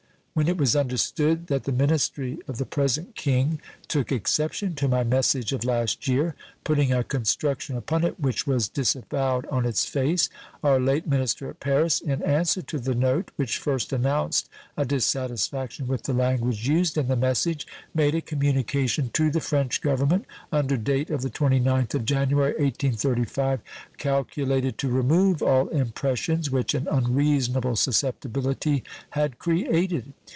When it was understood that the ministry of the present King took exception to my message of last year, putting a construction upon it which was disavowed on its face, our late minister at Paris, in answer to the note which first announced a dissatisfaction with the language used in the message, made a communication to the French Government under date of the 29th of January, 1835, calculated to remove all impressions which an unreasonable susceptibility had created.